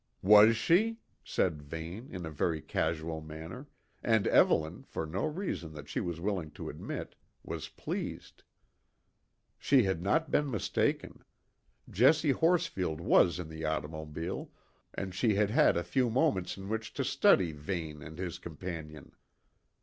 "Was she?" said Vane in a very casual manner, and Evelyn, for no reason that she was willing to admit, was pleased. She had not been mistaken. Jessie Horsfield was in the automobile, and she had had a few moments in which to study Vane and his companion.